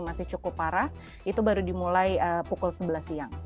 masih cukup parah itu baru dimulai pukul sebelas siang